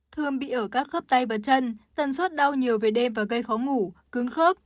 thường bị ở các khớp tay và chân tần suất đau nhiều về đêm và gây khó ngủ cứng khớp